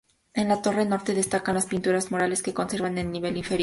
En la torre norte destacan las pinturas murales que conserva en el nivel inferior.